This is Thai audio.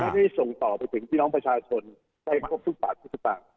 ไม่ได้ส่งต่อไปถึงพี่น้องประชาชนในประกอบทุกปากทุกปาก